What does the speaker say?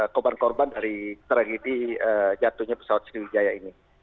korban korban dari tragedi jatuhnya pesawat sriwijaya ini